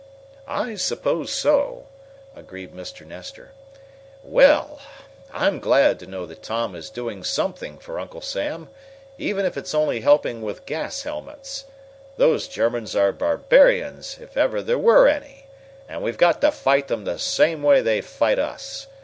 "I suppose so," agreed Mr. Nestor. "Well, I'm glad to know that Tom is doing something for Uncle Sam, even if it's only helping with gas helmets. Those Germans are barbarians, if ever there were any, and we've got to fight them the same way they fight us!